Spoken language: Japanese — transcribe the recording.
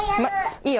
いいよ。